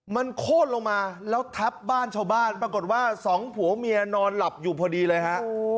มันโค้นลงมาแล้วทับบ้านชาวบ้านปรากฏว่าสองผัวเมียนอนหลับอยู่พอดีเลยฮะ